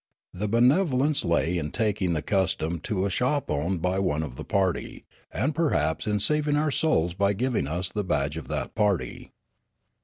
The benevo lence lay in taking the custom to a shop owned by one of the part}^ and perhaps in saving our souls b}' giving us the badge of that party.